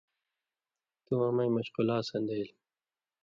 تُوں امَیں مشقُلا سن٘دئیل